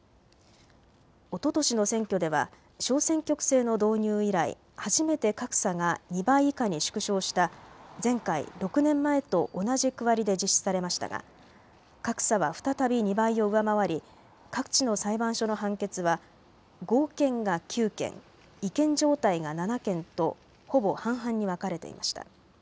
おととしの選挙では小選挙区制の導入以来、初めて格差が２倍以下に縮小した前回６年前と同じ区割りで実施されましたが格差は再び２倍を上回り各地の裁判所の判決は合憲が９件、違憲状態が７件とほぼ半々に分かれていました。